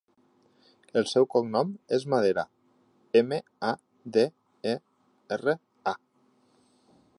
El seu cognom és Madera: ema, a, de, e, erra, a.